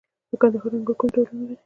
د کندهار انګور کوم ډولونه لري؟